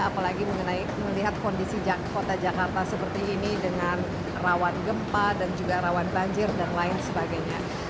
apalagi mengenai melihat kondisi kota jakarta seperti ini dengan rawan gempa dan juga rawan banjir dan lain sebagainya